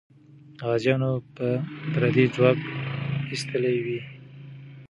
غازیانو به پردی ځواک ایستلی وي.